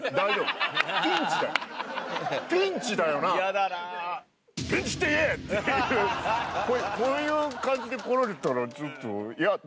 っていうこういう感じで来られたらちょっと。